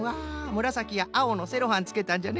むらさきやあおのセロハンつけたんじゃね。